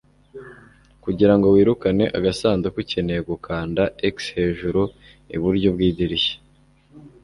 Kugirango wirukane agasanduku ukeneye gukanda X hejuru iburyo bwidirishya